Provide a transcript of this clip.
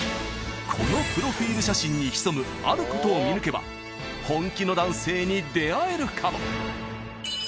［このプロフィール写真に潜むあることを見抜けば本気の男性に出会えるかも］